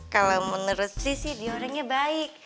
kalo menurut ri sih dia orangnya baik